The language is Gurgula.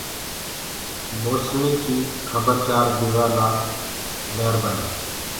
موسمي ڪي کبر چآر ديوآ ڪي لآ مهربآني۔